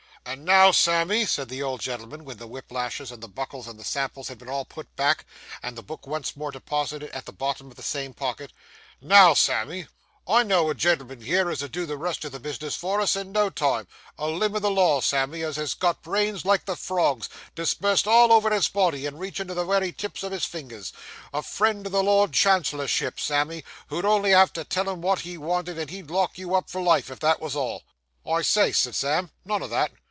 'And now, Sammy,' said the old gentleman, when the whip lashes, and the buckles, and the samples, had been all put back, and the book once more deposited at the bottom of the same pocket, 'now, Sammy, I know a gen'l'm'n here, as'll do the rest o' the bisness for us, in no time a limb o' the law, Sammy, as has got brains like the frogs, dispersed all over his body, and reachin' to the wery tips of his fingers; a friend of the Lord Chancellorship's, Sammy, who'd only have to tell him what he wanted, and he'd lock you up for life, if that wos all.' 'I say,' said Sam, 'none o' that.